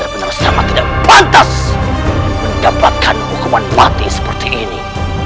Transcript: aku benar benar sangat tidak pantas mendapatkan hukuman mati seperti ini